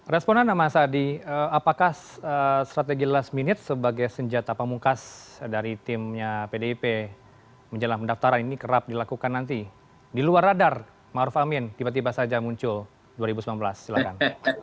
respon anda mas adi apakah strategi last minute sebagai senjata pemungkas dari timnya pdip menjelang pendaftaran ini kerap dilakukan nanti di luar radar maruf amin tiba tiba saja muncul dua ribu sembilan belas silahkan